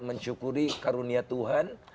mensyukuri karunia tuhan